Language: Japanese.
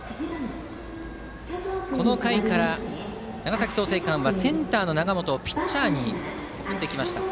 この回から、長崎・創成館はセンターの永本をピッチャーに送ってきました。